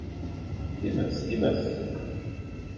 Times, times!